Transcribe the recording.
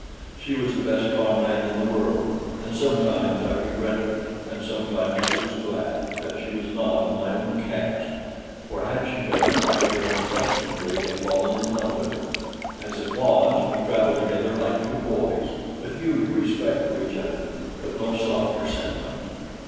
She was the best comrade in the world, and sometimes I regretted and sometimes I was glad that she was not of my own caste, for had she been, I should unquestionably have fallen in love with her. As it was, we traveled together like two boys, with huge respect for each other but no softer sentiment.